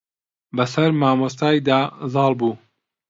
بە سەر مامۆستای دا زاڵ بوو.